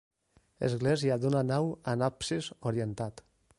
Església d'una nau amb absis orientat.